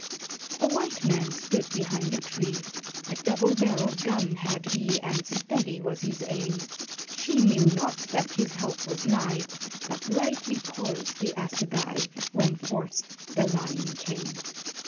A white man stood behind a tree, A double barrelled gun had he, And steady was his aim; She knew not that his help was nigh, But lightly poised the assegai, When forth the lion came.